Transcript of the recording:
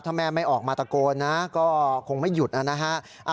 ถ้าแม่ไม่ออกมาตะโกนนะก็คงไม่หยุดนะฮะ